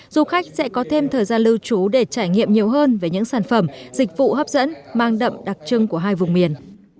du khách sẽ có thêm thời gian lưu trú để trải nghiệm nhiều hơn về những sản phẩm dịch vụ hấp dẫn mang đậm đặc trưng của hai vùng miền